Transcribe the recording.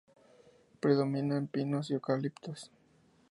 Predominan pinos y eucaliptos.